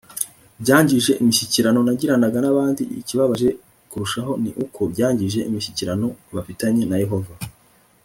byangije imishyikirano nagiranaga n abandi Ikibabaje kurushaho ni uko byangije imishyikirano bafitanye na Yehova